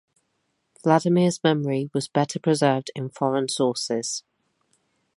Vladimir's memory was better preserved in foreign sources.